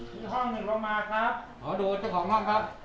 อีกห้องหนึ่งเรามาครับขอดูเจ้าของห้องครับ